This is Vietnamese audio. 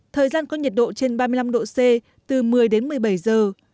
thời gian có nhiệt độ trên ba mươi năm độ c từ một mươi đến một mươi bảy giờ